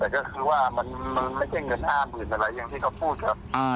แต่ก็คือว่ามันไม่ใช่เงิน๕๐๐๐อะไรอย่างที่เขาพูดครับ